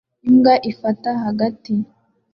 Imbwa ifata hagati